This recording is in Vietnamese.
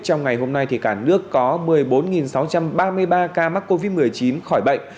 trong ngày hôm nay cả nước có một mươi bốn sáu trăm ba mươi ba ca mắc covid một mươi chín khỏi bệnh